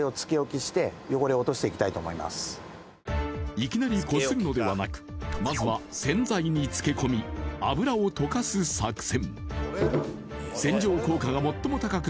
いきなりこするのではなく、まずは洗剤につけ込み油を溶かす作戦。